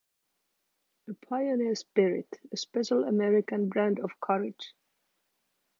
A pioneer spirit, a special American brand of courage.